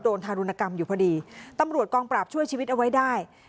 ทารุณกรรมอยู่พอดีตำรวจกองปราบช่วยชีวิตเอาไว้ได้